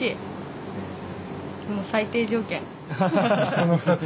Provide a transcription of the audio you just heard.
その２つ？